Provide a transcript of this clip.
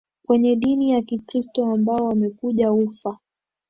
kwenye dini ya kikristo ambao wamekuja ufa